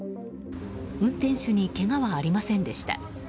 運転手にけがはありませんでした。